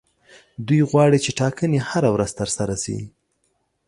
دوی غواړي چې ټاکنې هره ورځ ترسره شي.